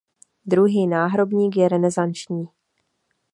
Druhý náhrobník je renesanční.